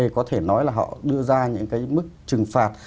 có thể nói là họ đưa ra những cái mức trừng phạt